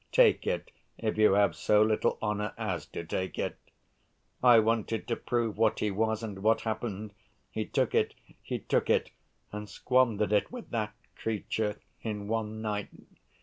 Take it, if you have so little honor as to take it!' I wanted to prove what he was, and what happened? He took it, he took it, and squandered it with that creature in one night....